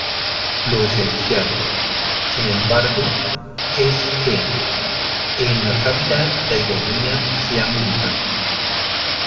Lo esencial, sin embargo, es que "en la sátira la ironía sea militante".